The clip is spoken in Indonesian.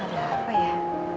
gak ada apa ya